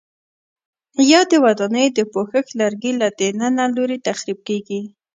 یا د ودانیو د پوښښ لرګي له دننه لوري تخریب کېږي؟